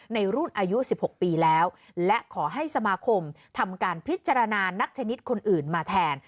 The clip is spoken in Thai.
ในรุ่นอายุ๑๖ปีแล้วและขอให้สมาคมทำการพิจารณานักชนิดคนอื่นมาแทน